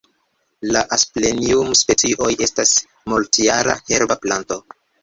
La Asplenium-specioj estas multjara herba planto.